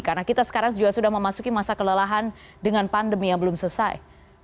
karena kita sekarang juga sudah memasuki masa kelelahan dengan pandemi yang belum selesai